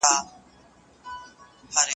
د سترګو قدر له ړانده وپوښتئ.